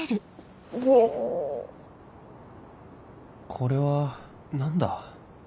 これは何だ？